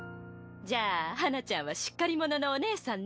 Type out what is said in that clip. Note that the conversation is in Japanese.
じゃあハナちゃんはしっかり者のお姉うん！